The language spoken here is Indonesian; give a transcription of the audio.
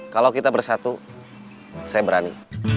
kalau kita bersatu saya berani